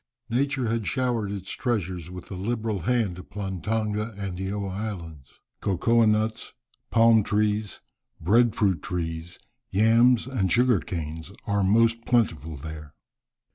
Nature had showered its treasures with a liberal hand upon Tonga and Eoa Islands. Cocoa nuts, palm trees, breadfruit trees, yams, and sugar canes are most plentiful there.